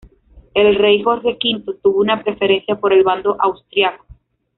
El rey Jorge V tuvo una preferencia por el bando austriaco.